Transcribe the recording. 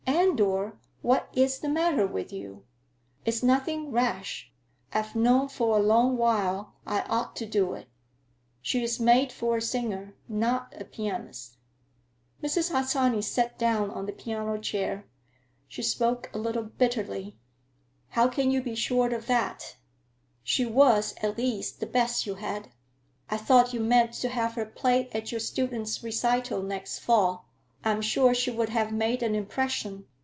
Andor, what is the matter with you?" "It's nothing rash. I've known for a long while I ought to do it. She is made for a singer, not a pianist." Mrs. Harsanyi sat down on the piano chair. She spoke a little bitterly: "How can you be sure of that? She was, at least, the best you had. I thought you meant to have her play at your students' recital next fall. I am sure she would have made an impression.